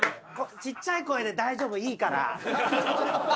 ちっちゃい声で「大丈夫」いいから。